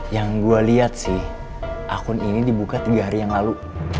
yang gue lihat sih akun ini dibuka tiga hari yang lalu